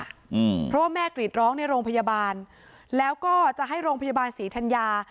อืมเพราะว่าแม่กรีดร้องในโรงพยาบาลแล้วก็จะให้โรงพยาบาลศรีธัญญา